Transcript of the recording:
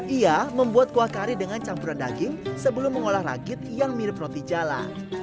ia membuat kuah kari dengan campuran daging sebelum mengolah ragit yang mirip roti jala